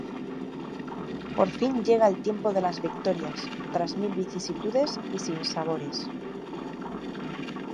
Por fin llega el tiempo de las victorias, tras mil vicisitudes y sinsabores.